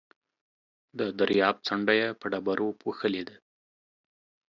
د درياب څنډه يې په ډبرو پوښلې ده.